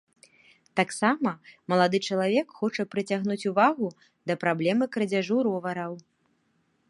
Таксама малады чалавек хоча прыцягнуць увагу да праблемы крадзяжу ровараў.